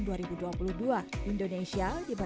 indonesia diberkati dengan kemampuan untuk menjaga kemampuan